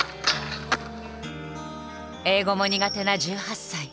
英語も苦手な１８歳。